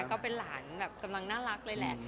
ก็เป็นหลานแบบกำลังน่ารักเลยแหละ